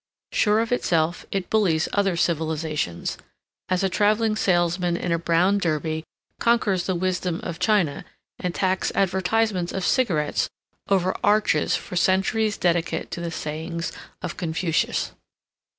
Sure of itself, it bullies other civilizations, as a traveling salesman in a brown derby conquers the wisdom of China and tacks advertisements of cigarettes over arches for centuries dedicate to the sayings of Confucius.